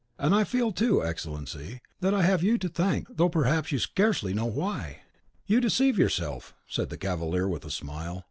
And I feel, too, Excellency, that I have you to thank, though, perhaps, you scarce know why!" "You deceive yourself," said the cavalier, with a smile.